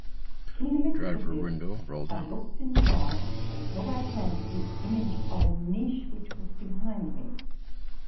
In the midst of this I looked in the glass, and saw by chance the image of a niche which was behind me.